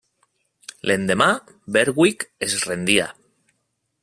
L'endemà, Berwick es rendia.